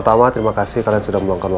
saya masih ada urusan sebentar